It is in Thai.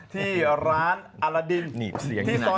ที่ร้านอรดินทร์๑๔